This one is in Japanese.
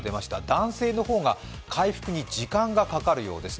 男性の方が回復に時間がかかるようです。